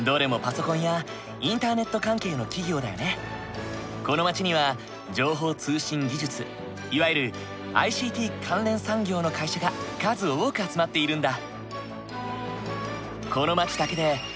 そうどれもこの街には情報通信技術いわゆるＩＣＴ関連産業の会社が数多く集まっているんだ。